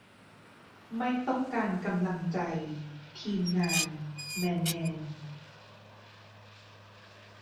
ไม่ต้องการกำลังใจ ทีมงาน แมนแมน